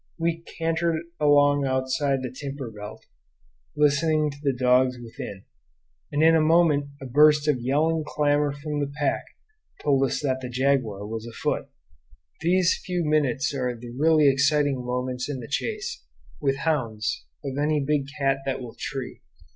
We cantered along outside the timber belt, listening to the dogs within; and in a moment a burst of yelling clamor from the pack told that the jaguar was afoot. These few minutes are the really exciting moments in the chase, with hounds, of any big cat that will tree.